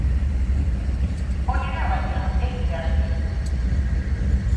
Onena, baina, heltzear zen.